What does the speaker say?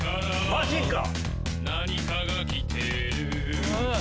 マジか！